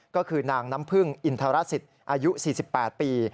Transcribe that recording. ก็คือนางน้ำพึ่งอินทรสิตอายุ๔๘ปี